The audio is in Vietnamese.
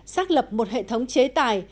xác lập một hệ thống chế tài